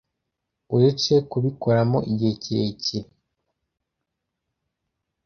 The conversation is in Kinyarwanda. uretse kubikoramo igihe kirekire